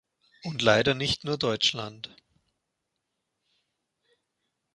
Und leider nicht nur Deutschland!